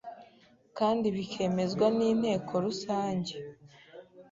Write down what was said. kandi bikemezwa n Inteko Rusange